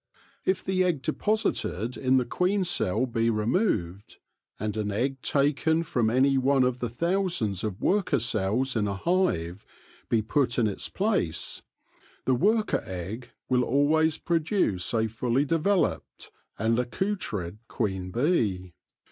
If the egg deposited in the queen cell be removed, and an egg taken from any one of the thousands of worker cells in a hive be put in its place, the worker egg will always produce a fully developed and accoutred queen bee.